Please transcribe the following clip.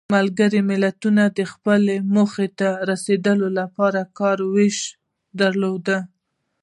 ملګرو ملتونو خپلو موخو ته د رسیدو لپاره کار ویش درلود.